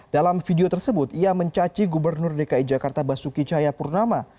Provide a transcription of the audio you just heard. dalam video tersebut ia mencaci gubernur dki jakarta basuki cahayapurnama